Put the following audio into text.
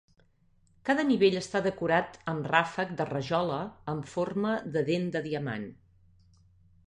Cada nivell està decorat amb ràfec de rajola amb forma de dent de diamant.